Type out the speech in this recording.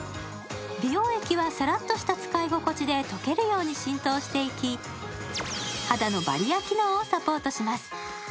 美容液はサラッとした使い心地で溶けるように浸透していき、肌のバリア機能をサポートします。